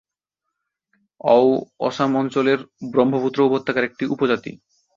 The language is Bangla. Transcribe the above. অও আসাম অঞ্চলের ব্রহ্মপুত্র উপত্যকার একটি উপজাতি।